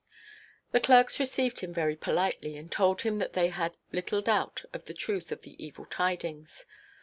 The clerks received him very politely, and told him that they had little doubt of the truth of the evil tidings.